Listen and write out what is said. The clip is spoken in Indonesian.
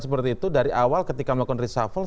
seperti itu dari awal ketika melakukan reshuffle